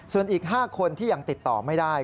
ส่วนอีก๕คนที่ยังติดต่อไม่ได้